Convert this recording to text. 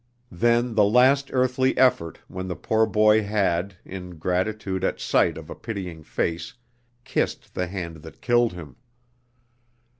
Then the last earthly effort when the poor boy had, in gratitude at sight of a pitying face, kissed the hand that killed him!